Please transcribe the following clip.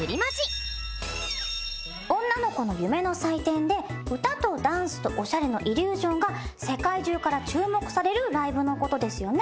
女の子の夢の祭典で歌とダンスとオシャレのイリュージョンが世界中から注目されるライブのことですよね